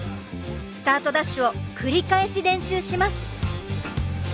スタートダッシュを繰り返し練習します。